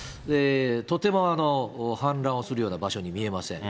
とても氾濫をするような場所に見えません。